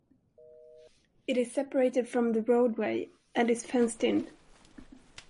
It is separated from the roadway and is fenced in.